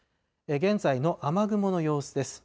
現在の雨雲の様子です。